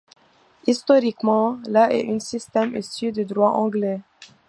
Historiquement, la est un système issu du droit anglais.